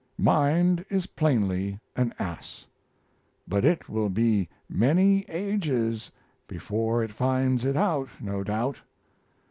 Mind is plainly an ass, but it will be many ages before it finds it out, no doubt.